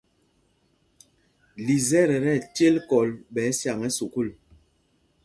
Lisɛt ɛ tí ɛcěl kɔl ɓɛ ɛsyaŋ ɛ́ sukûl.